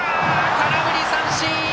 空振り三振！